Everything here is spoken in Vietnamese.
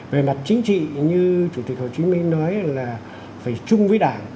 về mặt chính trị như chủ tịch hồ chí minh nói là phải chung với đảng